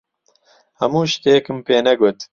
هەموو شتێکم پێ نەگوت.